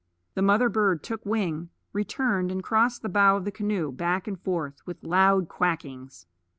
The mother bird took wing, returned and crossed the bow of the canoe, back and forth, with loud quackings.